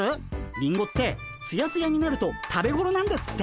リンゴってツヤツヤになると食べごろなんですって。